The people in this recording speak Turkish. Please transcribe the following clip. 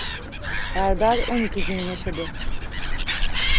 Berber on iki gün yaşadı.